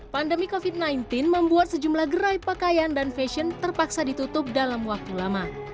pandemi covid sembilan belas membuat sejumlah gerai pakaian dan fashion terpaksa ditutup dalam waktu lama